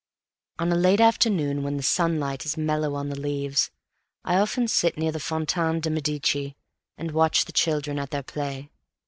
On a late afternoon, when the sunlight is mellow on the leaves, I often sit near the Fontaine de Medicis, and watch the children at their play.